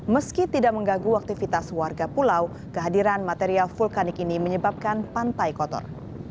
meski tidak mengganggu aktivitas warga pulau kehadiran material vulkanik ini menyebabkan pantai kotor